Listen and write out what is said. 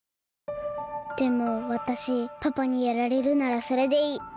でもわたしパパにやられるならそれでいい。